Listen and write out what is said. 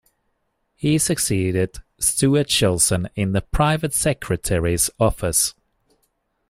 He succeeded Stuart Shilson in the Private Secretary's Office.